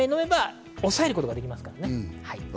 早めに薬を飲めば抑えることができますからね。